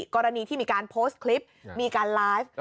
กรณีที่มีการโพสต์คลิปมีการไลฟ์